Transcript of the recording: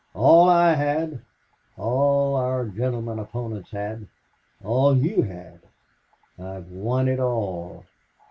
"All I had all our gentlemen opponents had all YOU had... I have won it all!"